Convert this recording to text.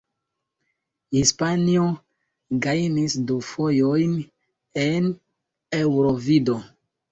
Hispanio gajnis du fojojn en Eŭrovido.